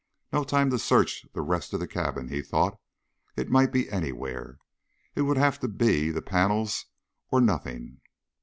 No time to search the rest of the cabin, he thought. It might be anywhere. It would have to be the panels or nothing.